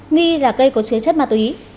nghi là cây có chứa chất mà tùy ý